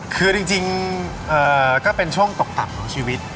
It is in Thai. คือจริงก็เป็นช่วงตกต่ำของชีวิต